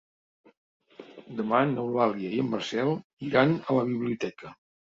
Demà n'Eulàlia i en Marcel iran a la biblioteca.